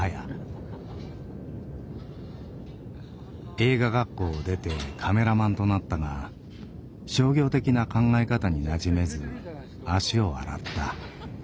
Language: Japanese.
映画学校を出てカメラマンとなったが商業的な考え方になじめず足を洗った。